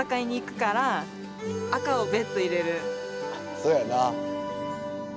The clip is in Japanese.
そやな。